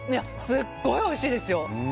すっごいおいしいですよ。